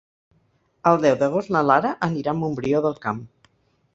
El deu d'agost na Lara anirà a Montbrió del Camp.